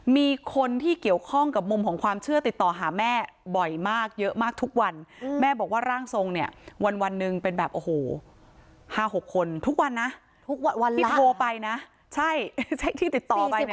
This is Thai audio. มีคนที่เกี่ยวข้องกับมุมของความเชื่อติดต่อหาแม่บ่อยมากเยอะมากทุกวันแม่บอกว่าร่างทรงเนี่ยวันหนึ่งเป็นแบบโอ้โห๕๖คนทุกวันนะที่โทรไปนะใช่ที่ติดต่อไปเนี่ย